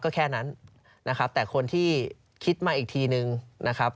ก็แค่นั้นนะครับแต่คนที่คิดมาอีกทีนึงนะครับ